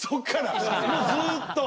もうずっと。